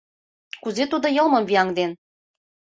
Кузе тудо йылмым вияҥден?